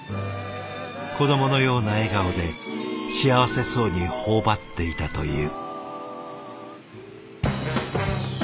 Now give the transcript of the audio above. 子どものような笑顔で幸せそうに頬張っていたという。